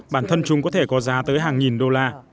bản thân chúng có thể có giá tới hàng nghìn đô la